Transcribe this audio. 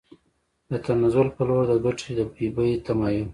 د تنزل په لور د ګټې د بیې تمایل